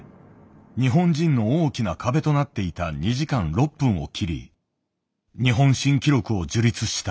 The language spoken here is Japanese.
日本人の大きな壁となっていた２時間６分を切り日本新記録を樹立した。